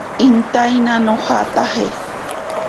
Intaina nojataje.